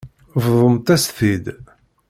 Bḍumt-as-t-id.